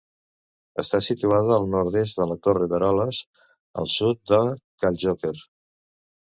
Està situada al nord-est de la Torre d'Eroles, al sud de Cal Joquer.